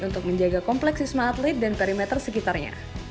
untuk menjaga kompleks wisma atlet dan perimeter sekitarnya